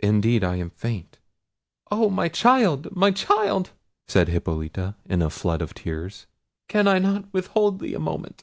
Indeed I am faint!" "Oh! my child! my child!" said Hippolita in a flood of tears, "can I not withhold thee a moment?"